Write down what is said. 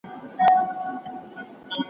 دوی د تېرو پېښو لاملونه بيانول.